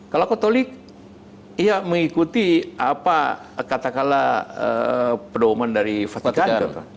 kalau katolik ya mengikuti apa katakala pedoman dari vatikan